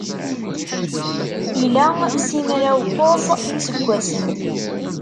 Ila simraw-kuẓ n yiseggasen.